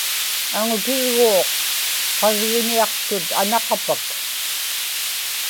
aŋutirguuq qargiñiaqtut anaqapak